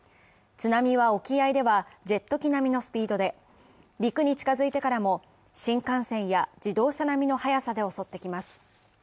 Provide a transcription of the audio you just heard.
津波は沖合ではジェット機並みのスピードで陸に近づいてからも、新幹線や自動車並みの速さで襲ってきます。